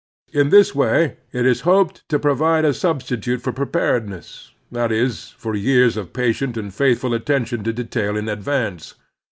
In this way it is hoped to provide a substitute for pre paredness — that is, for years of patient and faith ful attention to detail in advance.